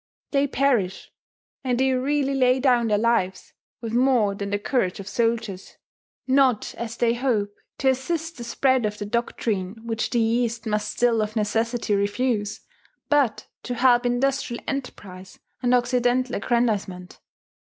They perish; and they really lay down their lives, with more than the courage of soldiers, not, as they hope, to assist the spread of that doctrine which the East must still of necessity refuse, but to help industrial enterprise and Occidental aggrandizement.